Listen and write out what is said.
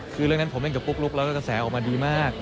คือเรื่องนั้นผมเล่นกับปุ๊กลุ๊กแล้วก็กระแสออกมาดีมาก